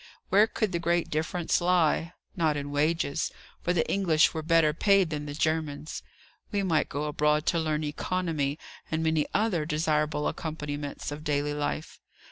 Where could the great difference lie? Not in wages; for the English were better paid than the Germans. We might go abroad to learn economy, and many other desirable accompaniments of daily life.